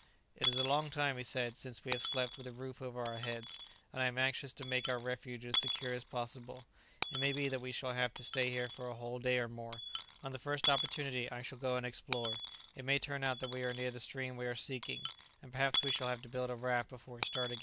"It is a long time," he said, "since we have slept with a roof over our heads; and I am anxious to make our refuge as secure as possible. It may be that we shall have to stay here for a whole day or more; on the first opportunity I shall go and explore; it may turn out that we are near the stream we are seeking; and perhaps we shall have to build a raft before we start again."